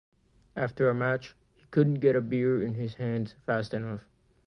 After a match, he couldn't get a beer in his hands fast enough.